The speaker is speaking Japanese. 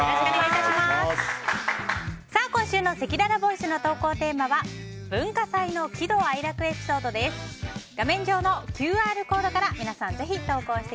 今週のせきららボイスの投稿テーマは文化祭の喜怒哀楽エピソードです。